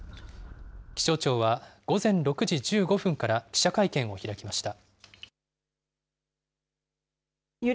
気象庁は午前６時１５分から記者会見を開きました。